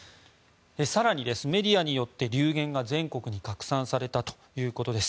更にメディアによって流言が全国に拡散されたということです。